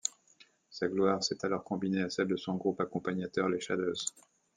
Sa gloire s'est alors combinée à celle de son groupe accompagnateur, les Shadows.